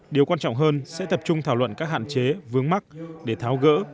điều quan trọng hơn sẽ tập trung thảo luận các hạn chế vướng mắc để tháo gỡ